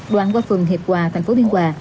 đoạn qua phường hiệp hòa tp biên hòa